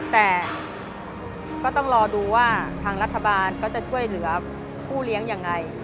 แต่ก็ต้องรอดูว่าทางรัฐบาลก็จะช่วยเหลือผู้เลี้ยงยังไง